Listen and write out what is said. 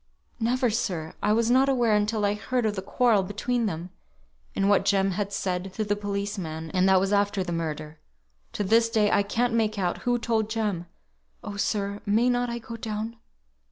"Never, sir. I was not aware until I heard of the quarrel between them, and what Jem had said to the policeman, and that was after the murder. To this day I can't make out who told Jem. Oh, sir, may not I go down?"